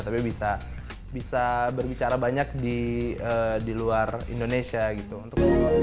tapi bisa berbicara banyak di luar indonesia gitu